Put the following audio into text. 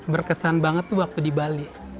berkesan banget tuh waktu di bali